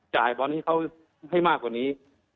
จ่ายบอร์นให้เขาให้มากกว่านี้